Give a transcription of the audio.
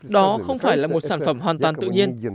đó không phải là một sản phẩm hoàn toàn tự nhiên